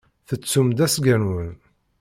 Tettum-d asga-nwen.